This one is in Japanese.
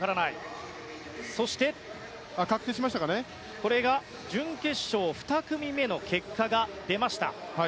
そして準決勝２組目の結果が出ました。